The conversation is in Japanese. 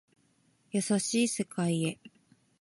優しい世界へ